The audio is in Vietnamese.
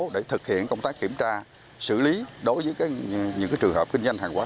để thực hiện công tác kiểm tra xử lý đối với những trường hợp kinh doanh hàng quá